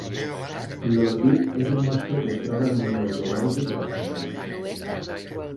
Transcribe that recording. L'holotip és un mascle que es troba al museu zoològic d'Amsterdam.